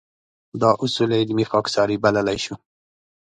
دا اصول علمي خاکساري بللی شو.